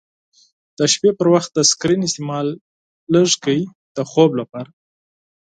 د شپې پر وخت د سکرین استعمال کم کړئ د خوب لپاره.